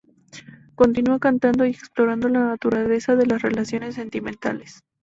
Continúa cantando, y explorando la naturaleza de las relaciones sentimentales.